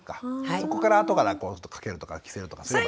そこからあとから掛けるとか着せるとかすればね。